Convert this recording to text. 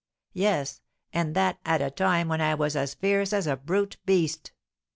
Yes, and that at a time when I was as fierce as a brute beast.